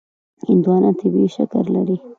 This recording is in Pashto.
هندوانه طبیعي شکر لري.